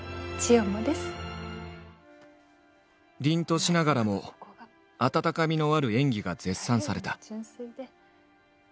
凛としながらも温かみのある演技が絶賛された。